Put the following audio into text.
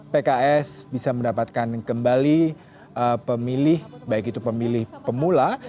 pks bisa mendapatkan kembali pemilih baik itu pemilih pemula